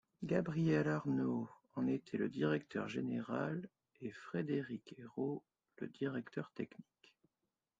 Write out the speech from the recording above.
Gabriel Arnaud en était le directeur général et Frédéric Airault le directeur technique.